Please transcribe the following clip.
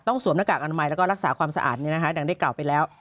สวมหน้ากากอนามัยแล้วก็รักษาความสะอาดดังได้กล่าวไปแล้ว